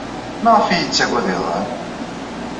Maɣef ay yettaggad iḍan?